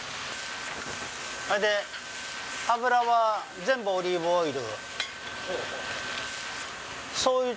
それで油は全部オリーブオイル。